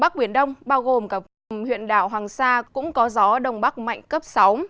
bắc biển đông bao gồm cả vùng huyện đảo hoàng sa cũng có gió đông bắc mạnh cấp sáu